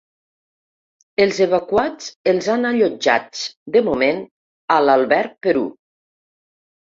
Els evacuats els han allotjats de moment a l’alberg Perú.